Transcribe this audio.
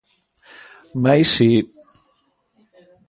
Mais si.